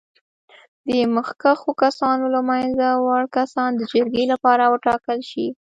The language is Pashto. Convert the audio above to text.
د مخکښو کسانو له منځه وړ کسان د جرګې لپاره وټاکل شي.